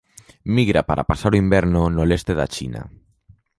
Migra para pasar o inverno no leste da China.